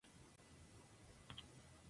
Agricultura, industria química y turismo.